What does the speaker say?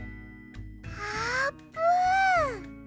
あーぷん！